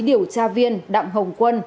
điều tra viên đặng hồng quân